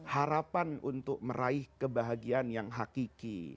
harapan untuk meraih kebahagiaan yang hakiki